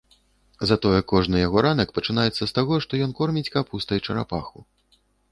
Затое кожны яго ранак пачынаецца з таго, што ён корміць капустай чарапаху.